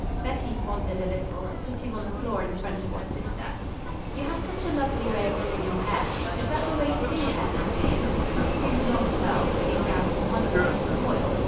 Betty pondered a little, sitting on the floor in front of her sister. "You have such a lovely way of doing your hair. Is that the way to do hair nowadays with two long curls hanging down from one side of the coil?